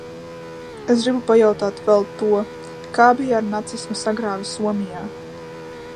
Es gribu pajautāt vēl to: kā bija ar nacisma sagrāvi Somijā?